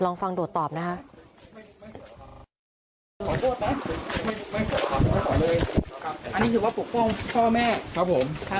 ลองฟังโดดตอบนะคะ